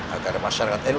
agar masyarakat elu